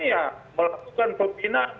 ya melakukan pembinaan